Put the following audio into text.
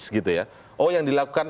gitu ya oh yang dilakukan